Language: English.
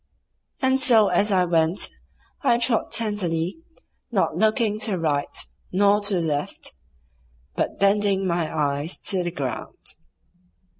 And so as I went I trod tenderly, not looking to the right nor to the left, but bending my eyes to the ground.